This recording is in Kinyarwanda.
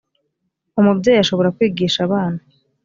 umubyeyi ashobora kwigisha abana